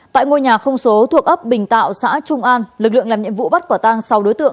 tại ngôi nhà không số thuộc ấp bình tạo xã trung an lực lượng làm nhiệm vụ bắt quả tang sáu đối tượng